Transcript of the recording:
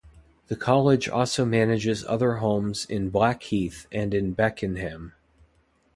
The College also manages other homes in Blackheath and in Beckenham.